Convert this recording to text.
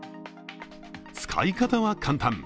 使い方は簡単。